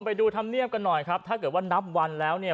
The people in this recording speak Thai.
ไปดูธรรมเนียบกันหน่อยครับถ้าเกิดว่านับวันแล้วเนี่ย